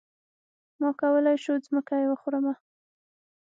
ما کولی شو ځمکه يې وخورمه.